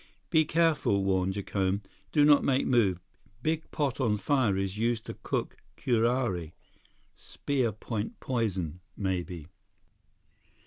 "Be careful," warned Jacome. "Do not make move. Big pot on fire is used to cook curare. Spear point poison—maybe."